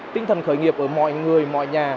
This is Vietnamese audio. tinh thần khởi nghiệp ở mọi người mọi nhà